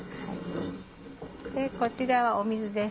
こちらは水です。